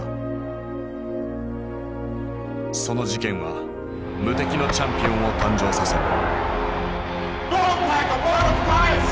その事件は無敵のチャンピオンを誕生させる。